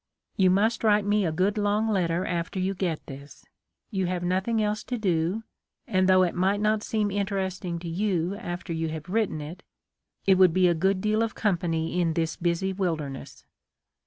"You must write me a good long letter after you get this. You have nothing else to do, and though it might not seem interesting to you after you have written it, it would be a good deal of company in this busy wilderness.